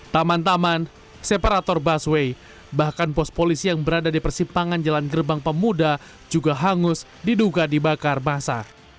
taman taman separator busway bahkan pos polisi yang berada di persimpangan jalan gerbang pemuda juga hangus diduga dibakar masa